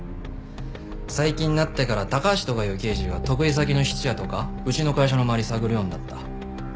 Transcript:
最近になってから高橋とかいう刑事が得意先の質屋とかうちの会社の周り探るようになった。